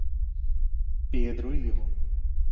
Pedro Ivo